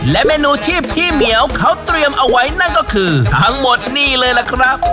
และเมนูที่พี่เหมียวเขาเตรียมเอาไว้นั่นก็คือทั้งหมดนี่เลยล่ะครับ